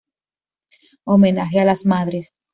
Homenaje a las Madres